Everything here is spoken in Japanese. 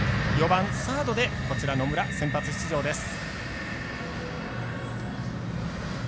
４番サードで野村先発出場です。